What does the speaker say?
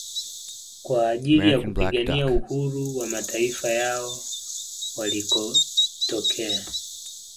Kwa ajili ya kupigania uhuru wa mataifa yao walikotokea